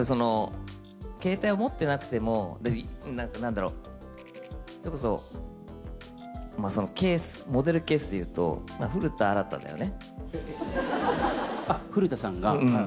携帯を持ってなくても、なんだろう、それこそ、モデルケースでいうと、古田さんが？